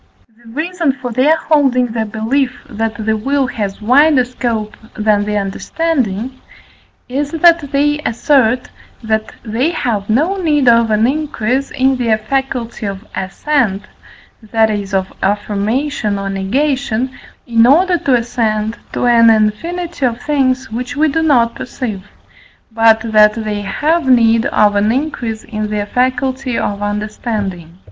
The reason for their holding the belief, that the will has wider scope than the understanding, is that they assert, that they have no need of an increase in their faculty of assent, that is of affirmation or negation, in order to assent to an infinity of things which we do not perceive, but that they have need of an increase in their faculty of understanding.